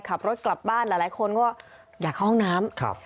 ขับรถกลับบ้านหลายคนก็อยากเข้าห้องน้ำ